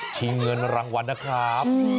เงินรางวัลนะครับ